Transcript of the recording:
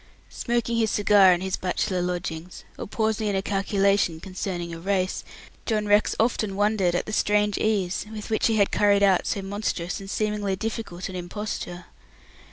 Smoking his cigar in his bachelor lodgings, or pausing in a calculation concerning a race, John Rex often wondered at the strange ease with which he had carried out so monstrous and seemingly difficult an imposture.